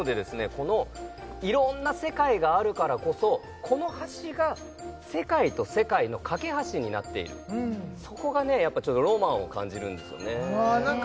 この色んな世界があるからこそこの橋が世界と世界の架け橋になっているそこがねやっぱちょっとロマンを感じるんですよねなんか